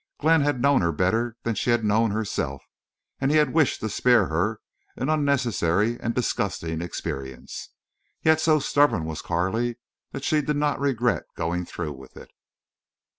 Glenn had known her better than she had known herself, and he had wished to spare her an unnecessary and disgusting experience. Yet so stubborn was Carley that she did not regret going through with it.